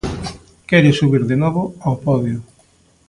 Quere subir de novo ao podio.